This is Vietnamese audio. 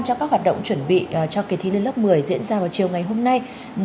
cho các hoạt động chuẩn bị cho kỳ thi lên lớp một mươi diễn ra vào chiều ngày hôm nay